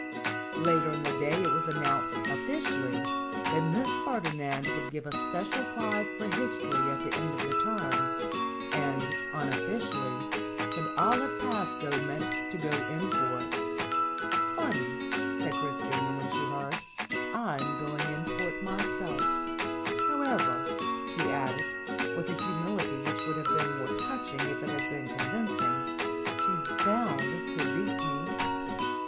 Later in the day it was announced, officially, that Miss Ferdinand would give a special prize for history at the end of the term; and, unofficially, that Olive Pastowe meant to go in for it. "Funny," said Chris tina, when she heard. "I'm going in for it myself. CHRISIMISSIMA 121 However," she added, with a humility which would have been more touching if it had been convincing, "she's bound to beat me."